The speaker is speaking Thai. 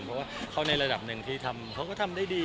เพราะว่าเขาในระดับหนึ่งที่ทำเขาก็ทำได้ดี